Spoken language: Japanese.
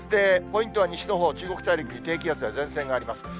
ポイントは西のほう、中国大陸に低気圧や前線があります。